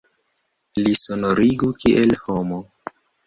Li sonorigu kiel homo.